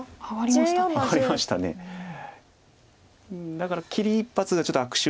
だから切り一発がちょっと悪手。